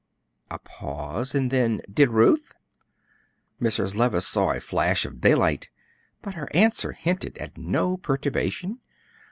A pause, and then, "Did Ruth?" Mrs. Levice saw a flash of daylight, but her answer hinted at no perturbation.